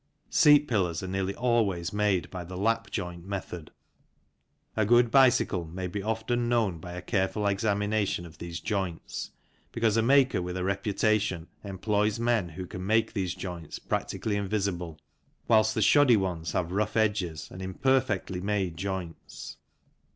Seat pillars are nearly always made by the " lap " joint method; a good bicycle may be often known by a careful examination of these joints, because a maker with a reputation employs men who can make these joints practically invisible, whilst the shoddy ones have rough edges and imperfectly made joints.